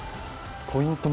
ポイント